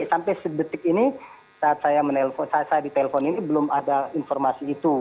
sampai sebetik ini saat saya di telpon ini belum ada informasi itu